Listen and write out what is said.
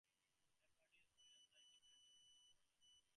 Their party is known as the Independent Democratic Party of Russia.